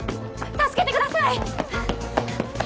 助けてください